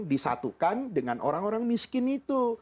disatukan dengan orang orang miskin itu